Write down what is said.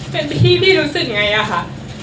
เป็นพี่พี่รู้สึกไงอะค่ะ